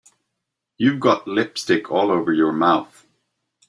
You've got lipstick all over your mouth.